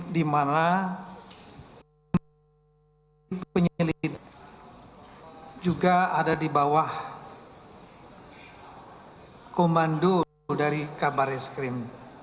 di mana penyelidik juga ada di bawah komando dari kabar eskrim